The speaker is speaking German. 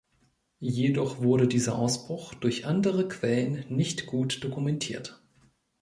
Jedoch wurde dieser Ausbruch durch andere Quellen nicht gut dokumentiert.